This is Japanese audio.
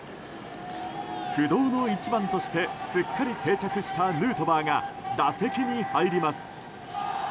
不動の１番としてすっかり定着したヌートバーが打席に入ります。